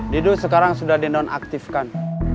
dido sekarang sudah di non aktifkan